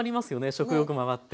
食欲も上がって。